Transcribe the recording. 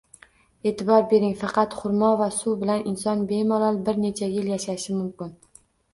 Eʼtibor bering, faqat xurmo va suv bilan inson bemalol bir necha yil yashashi mumkin.